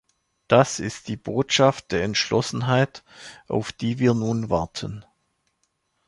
Das ist die Botschaft der Entschlossenheit, auf die wir nun warten.